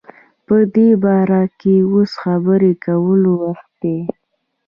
په دی باره کی اوس خبری کول وختی دی